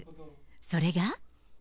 それが。